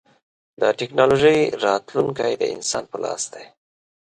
د ټکنالوجۍ راتلونکی د انسان په لاس دی.